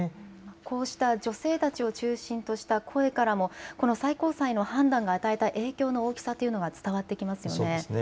こうした女性たちを中心とした声からも、この最高裁の判断が与えた影響の大きさというのが伝わってきますよね。